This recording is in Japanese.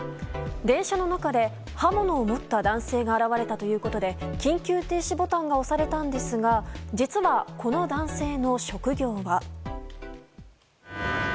電車の中で、刃物を持った男性が現れたということで緊急停止ボタンが押されたんですが実は、この男性の職業は。